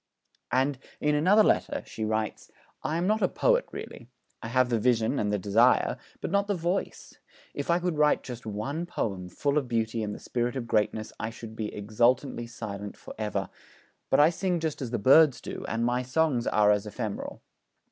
And, in another letter, she writes: 'I am not a poet really. I have the vision and the desire, but not the voice. If I could write just one poem full of beauty and the spirit of greatness, I should be exultantly silent for ever; but I sing just as the birds do, and my songs are as ephemeral.'